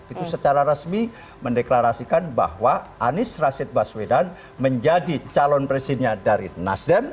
itu secara resmi mendeklarasikan bahwa anies rashid baswedan menjadi calon presidennya dari nasdem